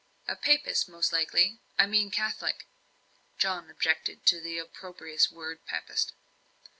"A Papist, most likely I mean a Catholic." (John objected to the opprobrious word "Papist.")